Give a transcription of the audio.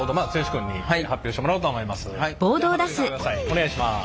お願いします。